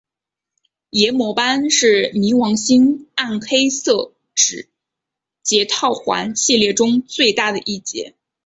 炎魔斑是冥王星暗黑色指节套环系列中最大的一节。